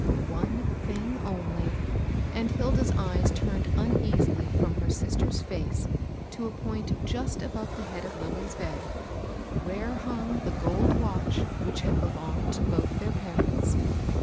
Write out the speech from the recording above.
One thing only ; and Hilda's eyes turned uneasily from, her sister's &ce to a point just above the head of Lilly's bed, where hung the gold watch which had belonged to both their parents.